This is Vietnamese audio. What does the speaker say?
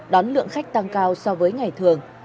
đón lượng khách tăng cao so với ngày thường